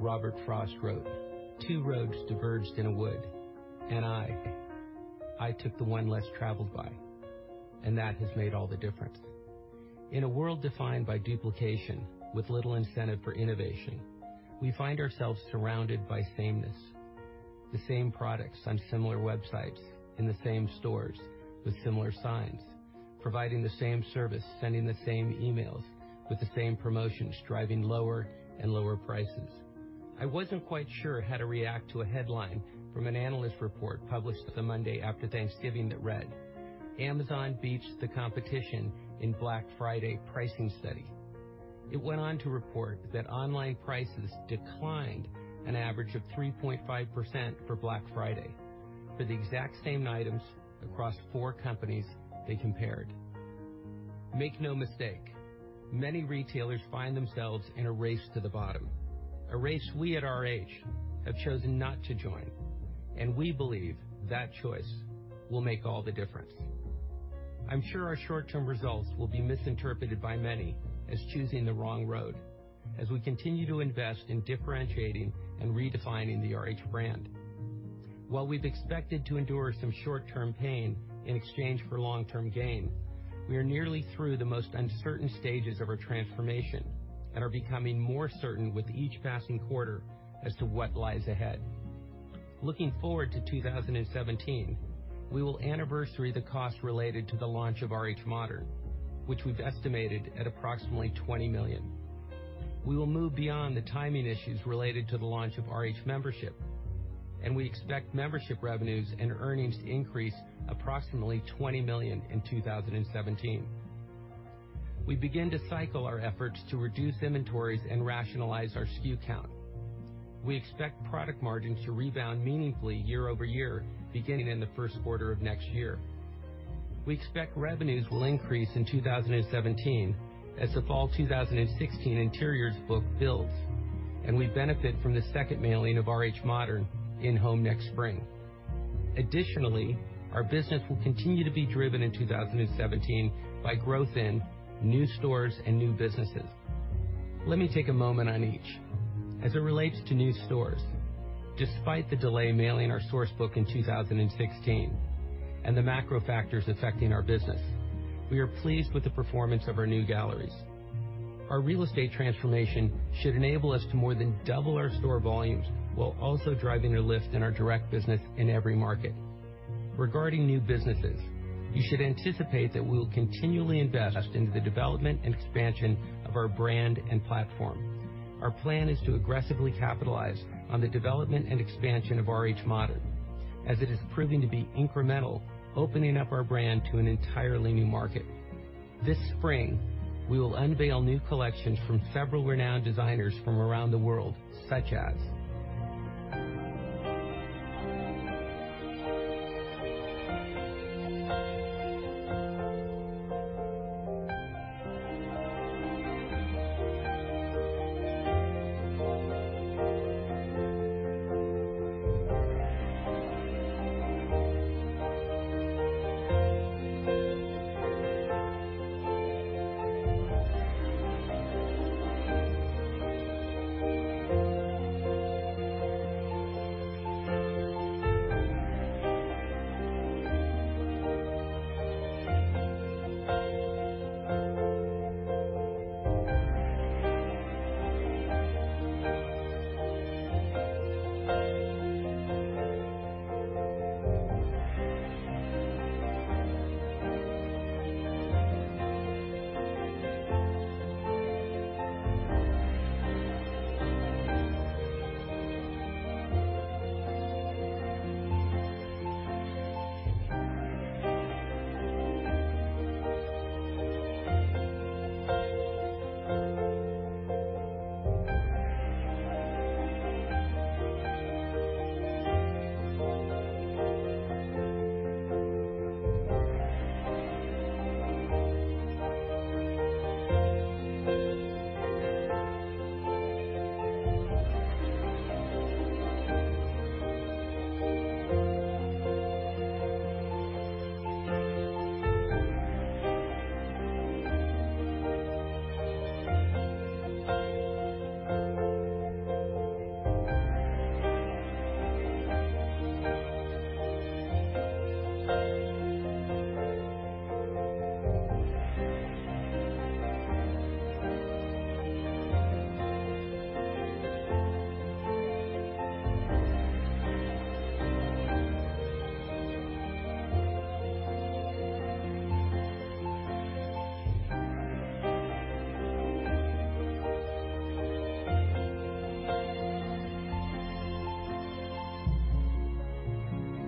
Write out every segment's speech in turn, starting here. American poet, Robert Frost, wrote, "Two roads diverged in a wood, and I took the one less traveled by, and that has made all the difference." In a world defined by duplication with little incentive for innovation, we find ourselves surrounded by sameness. The same products on similar websites, in the same stores, with similar signs, providing the same service, sending the same emails, with the same promotions, driving lower and lower prices. I wasn't quite sure how to react to a headline from an analyst report published the Monday after Thanksgiving that read, "Amazon beats the competition in Black Friday pricing study." It went on to report that online prices declined an average of 3.5% for Black Friday for the exact same items across four companies they compared. Make no mistake, many retailers find themselves in a race to the bottom, a race we at RH have chosen not to join, and we believe that choice will make all the difference. I'm sure our short-term results will be misinterpreted by many as choosing the wrong road, as we continue to invest in differentiating and redefining the RH brand. While we've expected to endure some short-term pain in exchange for long-term gain, we are nearly through the most uncertain stages of our transformation and are becoming more certain with each passing quarter as to what lies ahead. Looking forward to 2017, we will anniversary the cost related to the launch of RH Modern, which we've estimated at approximately $20 million. We will move beyond the timing issues related to the launch of RH Membership, and we expect membership revenues and earnings to increase approximately $20 million in 2017. We begin to cycle our efforts to reduce inventories and rationalize our SKU count. We expect product margins to rebound meaningfully year-over-year, beginning in the first quarter of next year. We expect revenues will increase in 2017 as the fall 2016 interiors book builds, and we benefit from the second mailing of RH Modern in-home next spring. Additionally, our business will continue to be driven in 2017 by growth in new stores and new businesses. Let me take a moment on each. As it relates to new stores, despite the delay mailing our Source Book in 2016 and the macro factors affecting our business, we are pleased with the performance of our new galleries. Our real estate transformation should enable us to more than double our store volumes while also driving a lift in our direct business in every market. Regarding new businesses, you should anticipate that we will continually invest into the development and expansion of our brand and platform. Our plan is to aggressively capitalize on the development and expansion of RH Modern as it is proving to be incremental, opening up our brand to an entirely new market. This spring, we will unveil new collections from several renowned designers from around the world, such as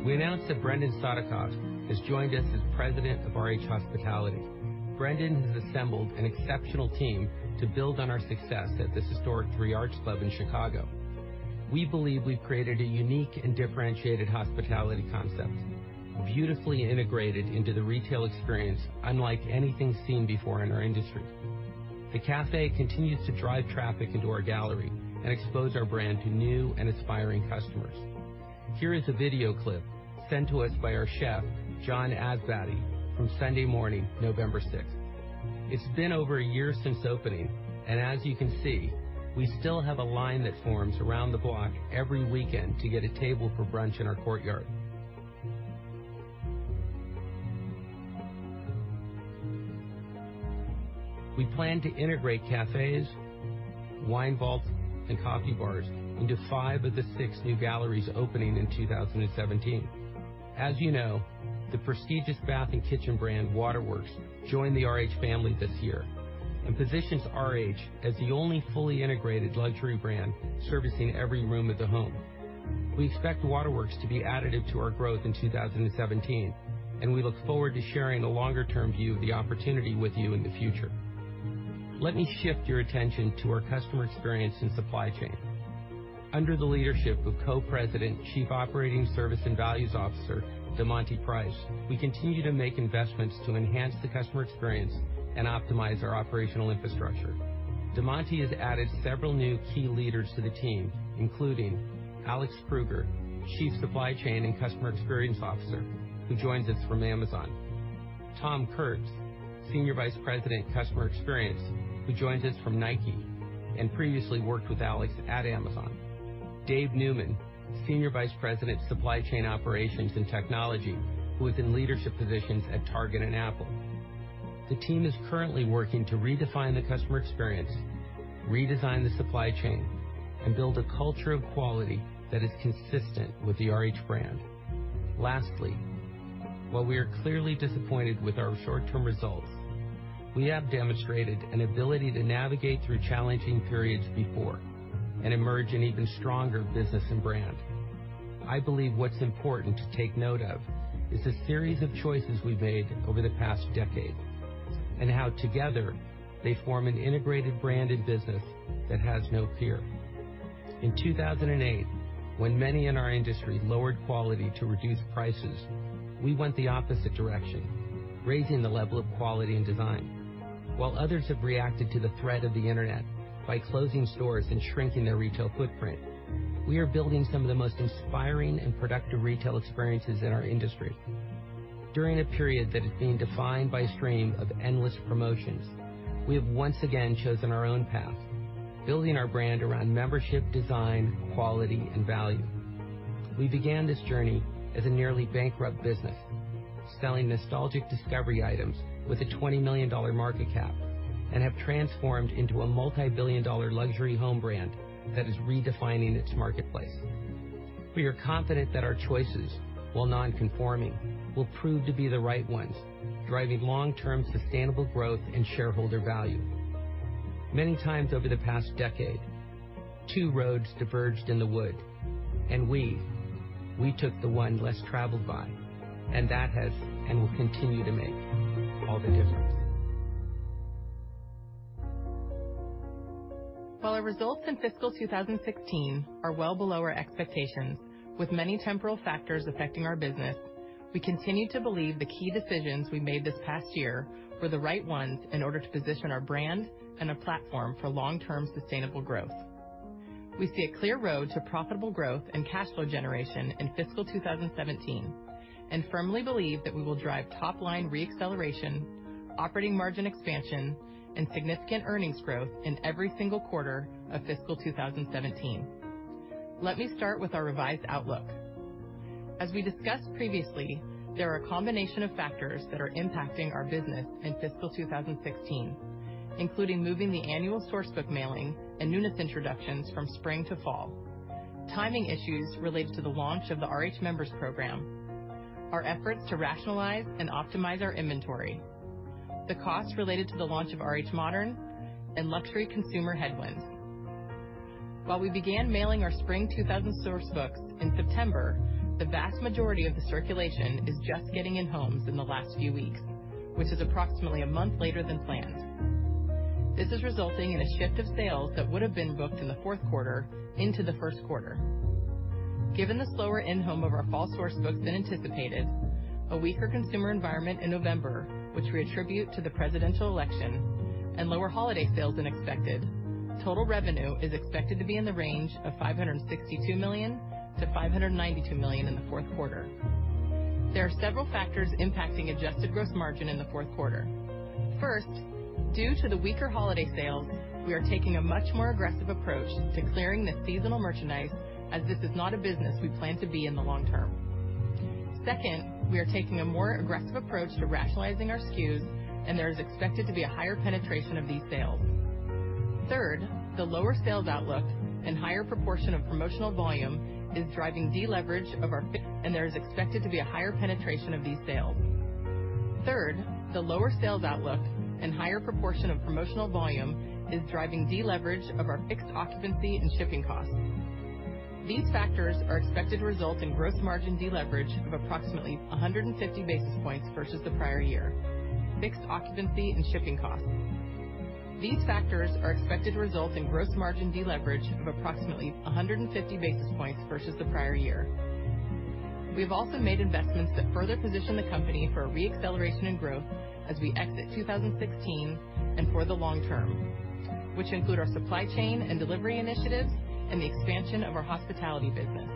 We announced that Brendan Sodikoff has joined us as President of RH Hospitality. Brendan has assembled an exceptional team to build on our success at this historic 3 Arts Club in Chicago. We believe we've created a unique and differentiated hospitality concept, beautifully integrated into the retail experience unlike anything seen before in our industry. The café continues to drive traffic into our gallery and expose our brand to new and aspiring customers. Here is a video clip sent to us by our chef, John Asbaty, from Sunday morning, November 6th. It's been over a year since opening, and as you can see, we still have a line that forms around the block every weekend to get a table for brunch in our courtyard. We plan to integrate cafes, wine vaults, and coffee bars into five of the six new galleries opening in 2017. As you know, the prestigious bath and kitchen brand, Waterworks, joined the RH family this year and positions RH as the only fully integrated luxury brand servicing every room of the home. We expect Waterworks to be additive to our growth in 2017, and we look forward to sharing a longer-term view of the opportunity with you in the future. Let me shift your attention to our customer experience and supply chain. Under the leadership of Co-President, Chief Operating, Service and Values Officer, DeMonty Price, we continue to make investments to enhance the customer experience and optimize our operational infrastructure. DeMonty has added several new key leaders to the team, including Alex Krueger, Chief Supply Chain and Customer Experience Officer, who joins us from Amazon; Tom Kirtz, Senior Vice President, Customer Experience, who joins us from Nike and previously worked with Alex at Amazon; Dave Newman, Senior Vice President, Supply Chain Operations and Technology, who was in leadership positions at Target and Apple. The team is currently working to redefine the customer experience, redesign the supply chain, and build a culture of quality that is consistent with the RH brand. While we are clearly disappointed with our short-term results, we have demonstrated an ability to navigate through challenging periods before and emerge an even stronger business and brand. I believe what's important to take note of is the series of choices we've made over the past decade and how together they form an integrated brand and business that has no peer. In 2008, when many in our industry lowered quality to reduce prices, we went the opposite direction, raising the level of quality and design. While others have reacted to the threat of the Internet by closing stores and shrinking their retail footprint, we are building some of the most inspiring and productive retail experiences in our industry. During a period that has been defined by a stream of endless promotions, we have once again chosen our own path, building our brand around membership, design, quality, and value. We began this journey as a nearly bankrupt business, selling nostalgic discovery items with a $20 million market cap and have transformed into a multibillion-dollar luxury home brand that is redefining its marketplace. We are confident that our choices, while non-conforming, will prove to be the right ones, driving long-term sustainable growth and shareholder value. Many times over the past decade, two roads diverged in the wood, and we took the one less traveled by, and that has and will continue to make all the difference. While our results in fiscal 2016 are well below our expectations, with many temporal factors affecting our business, we continue to believe the key decisions we made this past year were the right ones in order to position our brand and our platform for long-term sustainable growth. We see a clear road to profitable growth and cash flow generation in fiscal 2017 and firmly believe that we will drive top-line re-acceleration, operating margin expansion, and significant earnings growth in every single quarter of fiscal 2017. Let me start with our revised outlook. As we discussed previously, there are a combination of factors that are impacting our business in fiscal 2016, including moving the annual Source Book mailing and newness introductions from spring to fall, timing issues related to the launch of the RH Members Program, our efforts to rationalize and optimize our inventory, the costs related to the launch of RH Modern, and luxury consumer headwinds. While we began mailing our spring 2000 Source Books in September, the vast majority of the circulation is just getting in homes in the last few weeks, which is approximately a month later than planned. This is resulting in a shift of sales that would have been booked in the fourth quarter into the first quarter. Given the slower in-home of our fall Source Books than anticipated, a weaker consumer environment in November, which we attribute to the presidential election, and lower holiday sales than expected, total revenue is expected to be in the range of $562 million-$592 million in the fourth quarter. There are several factors impacting adjusted gross margin in the fourth quarter. First, due to the weaker holiday sales, we are taking a much more aggressive approach to clearing the seasonal merchandise as this is not a business we plan to be in the long term. Second, we are taking a more aggressive approach to rationalizing our SKUs, and there is expected to be a higher penetration of these sales. Third, the lower sales outlook and higher proportion of promotional volume is driving deleverage of our and there is expected to be a higher penetration of these sales. Third, the lower sales outlook and higher proportion of promotional volume is driving deleverage of our fixed occupancy and shipping costs. These factors are expected to result in gross margin deleverage of approximately 150 basis points versus the prior year. Fixed occupancy and shipping costs. We've also made investments that further position the company for re-acceleration and growth as we exit 2016 and for the long term, which include our supply chain and delivery initiatives and the expansion of our hospitality business.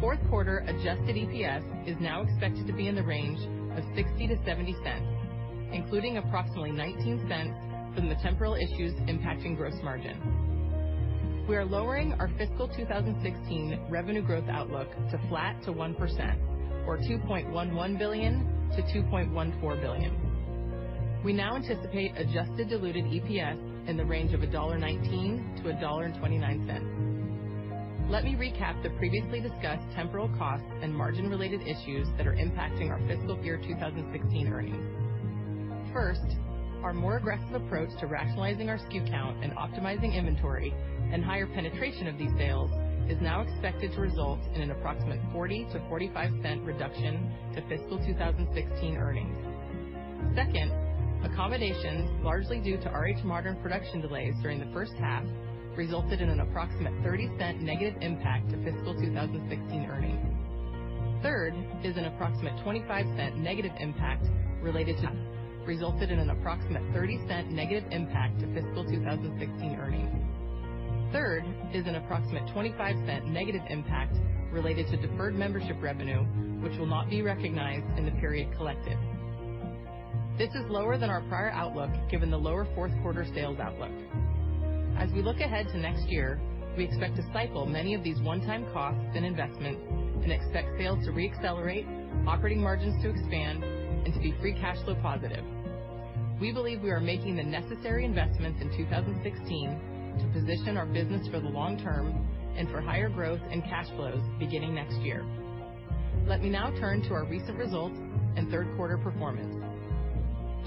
Fourth quarter adjusted EPS is now expected to be in the range of $0.60-$0.70, including approximately $0.19 from the temporal issues impacting gross margin. We are lowering our fiscal 2016 revenue growth outlook to flat to 1%, or $2.11 billion-$2.14 billion. We now anticipate adjusted diluted EPS in the range of $1.19-$1.29. Let me recap the previously discussed temporal costs and margin-related issues that are impacting our fiscal year 2016 earnings. First, our more aggressive approach to rationalizing our SKU count and optimizing inventory and higher penetration of these sales is now expected to result in an approximate $0.40-$0.45 reduction to fiscal 2016 earnings. Second, accommodations, largely due to RH Modern production delays during the first half, resulted in an approximate $0.30 negative impact to fiscal 2016 earnings. Third is an approximate $0.25 negative impact related to deferred membership revenue, which will not be recognized in the period collected. This is lower than our prior outlook given the lower fourth quarter sales outlook. We look ahead to next year, we expect to cycle many of these one-time costs and investments and expect sales to re-accelerate, operating margins to expand, and to be free cash flow positive. We believe we are making the necessary investments in 2016 to position our business for the long term and for higher growth and cash flows beginning next year. Let me now turn to our recent results and third quarter performance.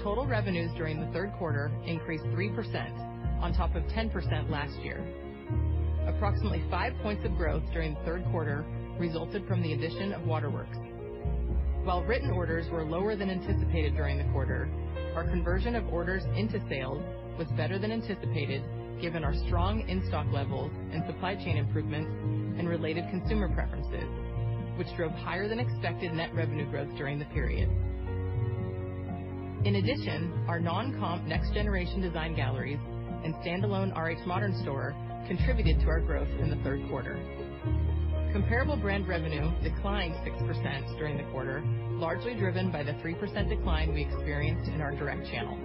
Total revenues during the third quarter increased 3% on top of 10% last year. Approximately five points of growth during the third quarter resulted from the addition of Waterworks. While written orders were lower than anticipated during the quarter, our conversion of orders into sales was better than anticipated given our strong in-stock levels and supply chain improvements and related consumer preferences, which drove higher than expected net revenue growth during the period. In addition, our non-comp next generation design galleries and standalone RH Modern store contributed to our growth in the third quarter. Comparable brand revenue declined 6% during the quarter, largely driven by the 3% decline we experienced in our direct channel.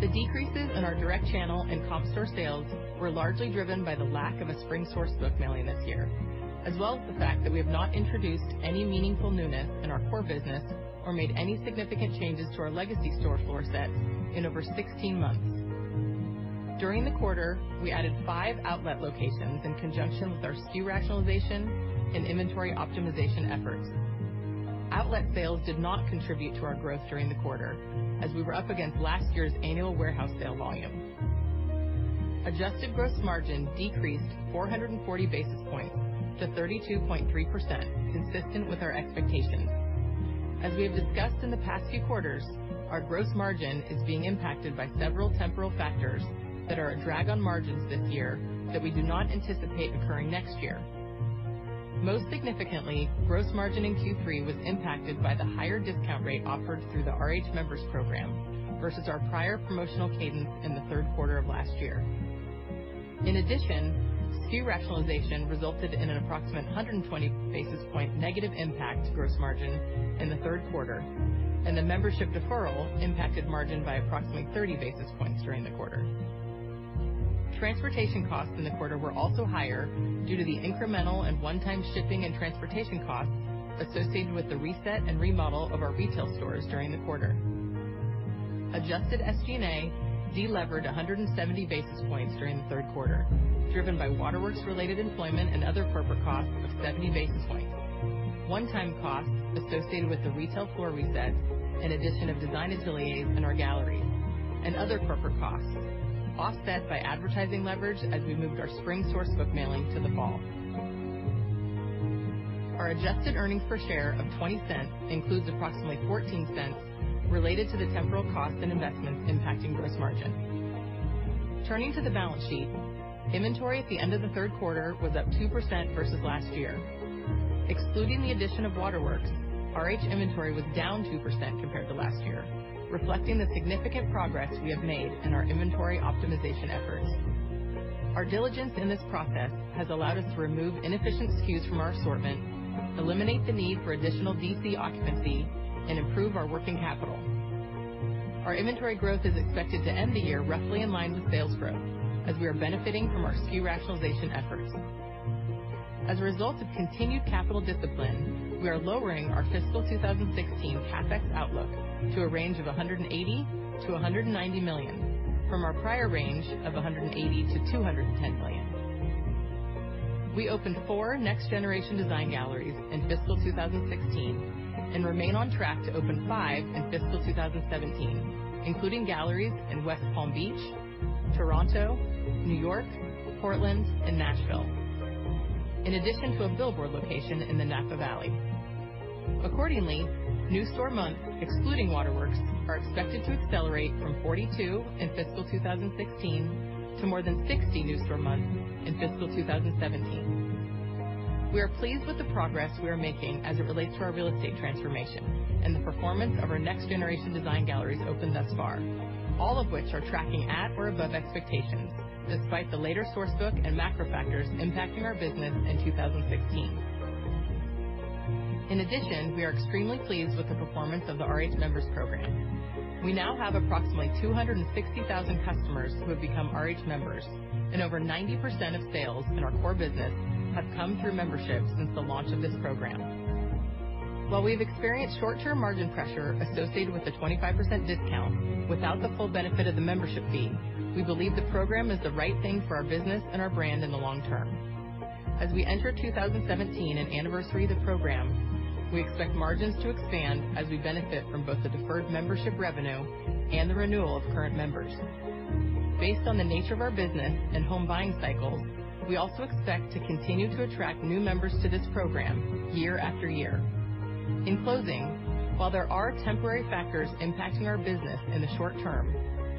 The decreases in our direct channel and comp store sales were largely driven by the lack of a spring Source Book mailing this year, as well as the fact that we have not introduced any meaningful newness in our core business or made any significant changes to our legacy store floor sets in over 16 months. During the quarter, we added five outlet locations in conjunction with our SKU rationalization and inventory optimization efforts. Outlet sales did not contribute to our growth during the quarter, as we were up against last year's annual warehouse sale volume. Adjusted gross margin decreased 440 basis points to 32.3%, consistent with our expectations. We have discussed in the past few quarters, our gross margin is being impacted by several temporal factors that are a drag on margins this year that we do not anticipate occurring next year. Most significantly, gross margin in Q3 was impacted by the higher discount rate offered through the RH Members Program versus our prior promotional cadence in the third quarter of last year. In addition, SKU rationalization resulted in an approximate 120 basis point negative impact to gross margin in the third quarter, and the membership deferral impacted margin by approximately 30 basis points during the quarter. Transportation costs in the quarter were also higher due to the incremental and one-time shipping and transportation costs associated with the reset and remodel of our retail stores during the quarter. Adjusted SG&A de-levered 170 basis points during the third quarter, driven by Waterworks-related employment and other corporate costs of 70 basis points. One-time costs associated with the retail floor resets and addition of Design Ateliers in our galleries and other corporate costs, offset by advertising leverage as we moved our spring Source Book mailing to the fall. Our adjusted earnings per share of $0.20 includes approximately $0.14 related to the temporal costs and investments impacting gross margin. Turning to the balance sheet, inventory at the end of the third quarter was up 2% versus last year. Excluding the addition of Waterworks, RH inventory was down 2% compared to last year, reflecting the significant progress we have made in our inventory optimization efforts. Our diligence in this process has allowed us to remove inefficient SKUs from our assortment, eliminate the need for additional DC occupancy, and improve our working capital. Our inventory growth is expected to end the year roughly in line with sales growth, as we are benefiting from our SKU rationalization efforts. As a result of continued capital discipline, we are lowering our fiscal 2016 CapEx outlook to a range of $180 million-$190 million from our prior range of $180 million-$210 million. We opened four next generation design galleries in fiscal 2016 and remain on track to open five in fiscal 2017, including galleries in West Palm Beach, Toronto, New York, Portland, and Nashville, in addition to a billboard location in the Napa Valley. Accordingly, new store month, excluding Waterworks, are expected to accelerate from 42 in fiscal 2016 to more than 60 new store months in fiscal 2017. We are pleased with the progress we are making as it relates to our real estate transformation and the performance of our next generation design galleries opened thus far, all of which are tracking at or above expectations, despite the later Source Book and macro factors impacting our business in 2016. In addition, we are extremely pleased with the performance of the RH Members Program. We now have approximately 260,000 customers who have become RH Members, and over 90% of sales in our core business have come through membership since the launch of this program. While we've experienced short-term margin pressure associated with the 25% discount without the full benefit of the membership fee, we believe the program is the right thing for our business and our brand in the long term. As we enter 2017 and anniversary the program, we expect margins to expand as we benefit from both the deferred membership revenue and the renewal of current members. Based on the nature of our business and home buying cycles, we also expect to continue to attract new members to this program year after year. In closing, while there are temporary factors impacting our business in the short term,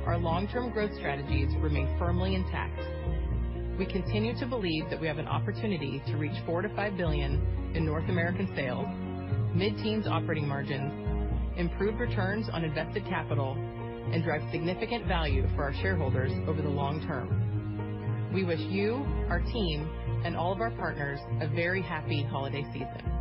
our long-term growth strategies remain firmly intact. We continue to believe that we have an opportunity to reach $4 billion-$5 billion in North American sales, mid-teens operating margins, improved returns on invested capital, and drive significant value for our shareholders over the long term. We wish you, our team, and all of our partners a very happy holiday season.